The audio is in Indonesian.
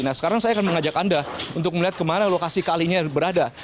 nah sekarang saya akan mengajak anda untuk melihat kemana lokasi kalinya berada